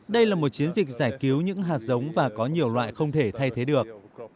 đây là một chiến dịch giải cứu những hạt giống và có nhiều loại không thể thay thế được